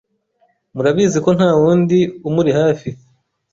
murabizi ko nta wundi umuri hafi